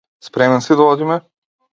Спремен си да одиме?